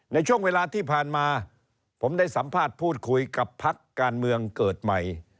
ในช่วงเวลาที่ผ่านมาผมได้สัมภาษณ์พูดคุยกับพักการเมืองเกิดใหม่